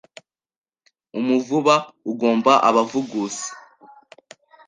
Umuvuba ugomba abavugusi